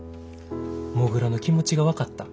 モグラの気持ちが分かった。